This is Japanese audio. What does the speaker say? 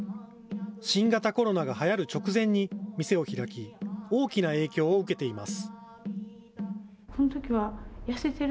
新型コロナがはやる直前に店を開き、大きな影響を受けています。